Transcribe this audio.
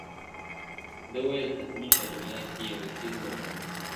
ده ویل حتمي چارواکی یا وکیل د پارلمان دی،